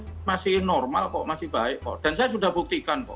ini masih normal kok masih baik kok dan saya sudah buktikan kok